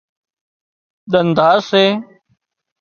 ۮنڌار سي